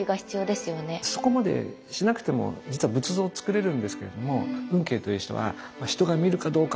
そこまでしなくても実は仏像をつくれるんですけれども運慶という人は人が見るかどうか分からない